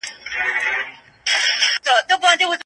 هغه د پرون په څېر بيا غلې وه.